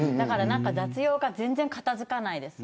雑用が全然、片付かないです。